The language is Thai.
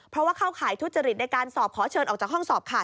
เพราะว่าเข้าข่ายทุจริตในการสอบขอเชิญออกจากห้องสอบค่ะ